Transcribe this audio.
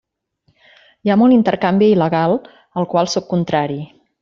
Hi ha molt intercanvi il·legal, al qual sóc contrari.